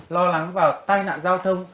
lo lắng vào tai nạn giao thông